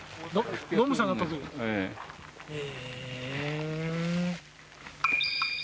へえ。